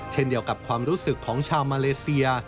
เช่นเดียวกับความรู้สึกของชาวมาเลเซีย